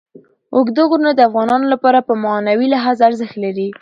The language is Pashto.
اوږده غرونه د افغانانو لپاره په معنوي لحاظ ارزښت لري.